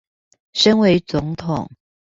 身為總統